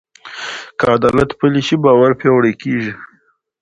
که عدالت پلی شي، باور پیاوړی کېږي.